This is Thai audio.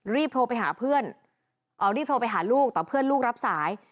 รีบโทรไปหาลูกแต่เพื่อนลูกรับสาย